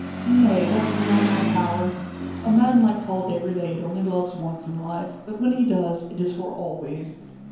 "Nay; that is beyond my power. A man like Paul Déroulède only loves once in life, but when he does, it is for always."